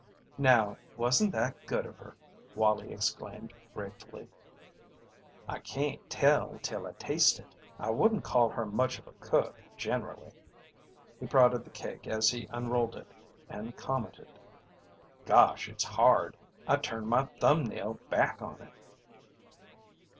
"Now wasn't that good of her!" Wallie exclaimed, gratefully. "I can't tell till I taste it. I wouldn't call her much of a cook generally." He prodded the cake as he unrolled it and commented: "Gosh, it's hard! I turned my thumb nail back on it."